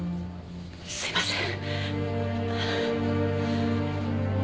すいません。